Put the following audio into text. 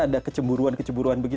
ada keceburuan keceburuan begitu